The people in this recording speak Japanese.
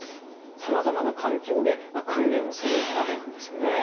さまざまな環境で訓練をするわけなんですね。